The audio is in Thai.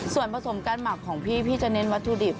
ส่วนผสมการหมักของพี่พี่จะเน้นวัตถุดิบ